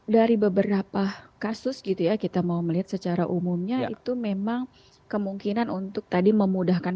dari beberapa kasus gitu ya kita mau melihat secara umumnya itu memang kemungkinan untuk tadi memudahkan